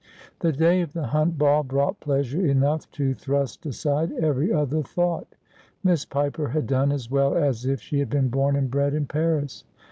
The day of the Hunt Ball brought pleasure enough to thrust aside every other thought. Miss Piper had done as well as if she had been born and bred in Paris.